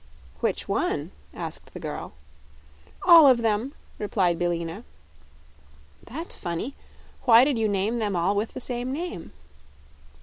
"Which one?" asked the girl. "All of them," replied Billina. "That's funny. Why did you name them all with the same name?"